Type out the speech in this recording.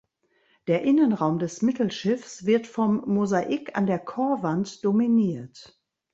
Der Innenraum des Mittelschiffs wird vom Mosaik an der Chorwand dominiert.